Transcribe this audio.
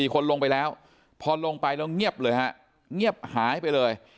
๔คนลงไปแล้วพอลงไปแล้วเงียบหายไปเลย